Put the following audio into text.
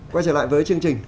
quay trở lại với chương trình